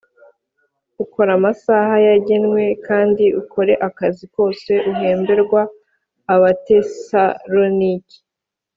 ukora amasaha yagenwe kandi ukore akazi kose uhemberwa Abatesalonike